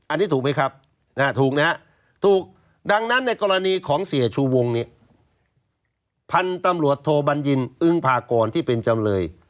อันนี้ถูกไหมครับถูกนะฮะถูกดังนั้นในกรณีของเสียชูวงเนี่ยพันธุ์ตำรวจโทบัญญินอึ้งพากรที่เป็นจำเลย